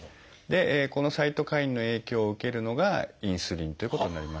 このサイトカインの影響を受けるのがインスリンということになります。